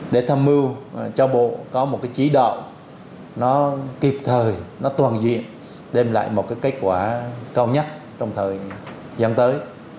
để tham mưu cho bộ có một cái chỉ đạo nó kịp thời nó toàn diện đem lại một cái kết quả cao nhất trong thời gian tới